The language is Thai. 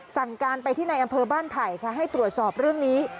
สั่งการไปที่ในอำเภอบ้านไผ่ค่ะให้ตรวจสอบเรื่องนี้